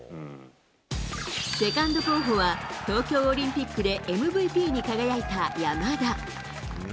セカンド候補は東京オリンピックでＭＶＰに輝いた山田。